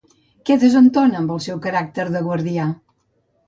Què desentona amb el seu caràcter de guardià?